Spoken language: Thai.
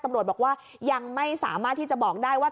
ตำรวจบอกว่ายังไม่สามารถที่จะบอกได้ว่า